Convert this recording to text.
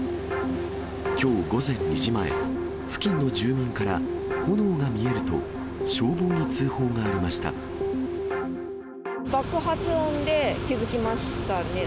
きょう午前２時前、付近の住民から炎が見えると、消防に通報があ爆発音で気付きましたね。